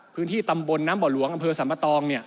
พื้นที่ตำบลน้ำบ่อหลวงอำเภอสัมปะตอง